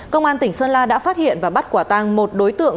công an tỉnh sơn la đã phát hiện và bắt quả tăng một đối tượng